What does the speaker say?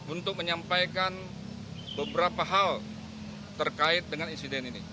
untuk menyampaikan beberapa hal terkait dengan insiden ini